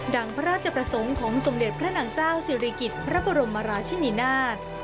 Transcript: พระราชประสงค์ของสมเด็จพระนางเจ้าศิริกิจพระบรมราชินินาศ